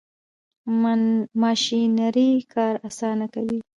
ماشینري کار اسانه کوي.